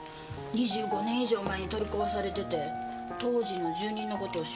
２５年以上前に取り壊されてて当時の住人の事を知る人もなくて。